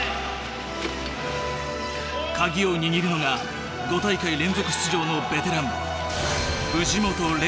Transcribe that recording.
カギを握るのが５大会連続出場のベテラン